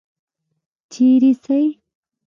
چیرې څې؟